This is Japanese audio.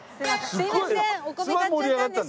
すみません。